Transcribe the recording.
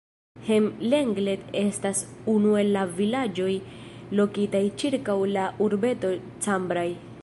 Hem-Lenglet estas unu el la vilaĝoj lokitaj ĉirkaŭ la urbeto Cambrai.